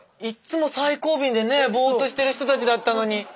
いっつも最後尾でねボーッとしてる人たちだったのに。